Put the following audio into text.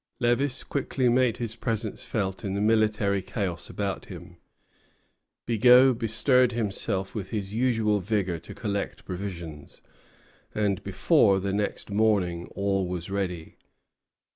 Lévis au Ministre, 10 Nov. 1759. Lévis quickly made his presence felt in the military chaos about him. Bigot bestirred himself with his usual vigor to collect provisions; and before the next morning all was ready.